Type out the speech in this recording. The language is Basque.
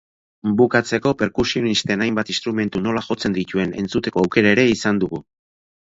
Bukatzeko, perkusionisten hainbat instrumentu nola jotzen dituen entzuteko aukera ere izan dugu.